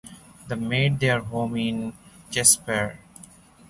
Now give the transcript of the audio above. They made their home in Casper.